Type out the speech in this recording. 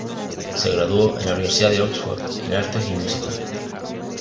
Se graduó en la Universidad de Oxford en Artes y Música.